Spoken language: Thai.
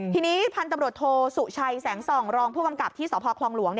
ทีนี้พันธุ์ตำรวจโทสุชัยแสงส่องรองผู้กำกับที่สพคลองหลวง